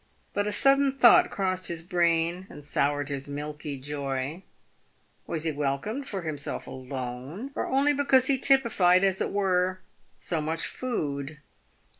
But a sudden thought crossed his brain, and soured his milky "joy. Was he wel come for himself alone, or only because he typified, as it were, so much food